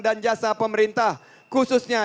dan jasa pemerintah khususnya